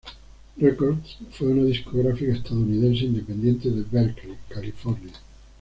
Records fue una discográfica estadounidense independiente de Berkeley, California.